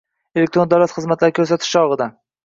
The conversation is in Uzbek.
Elektron davlat xizmatlari ko‘rsatish chog‘ida